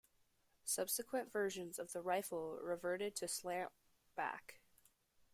Subsequent versions of the rifle reverted to slant-back.